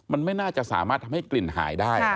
มันไม่น่าจะสามารถทำให้กลิ่นหายได้